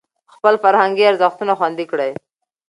خپل فرهنګي ارزښتونه خوندي کړئ.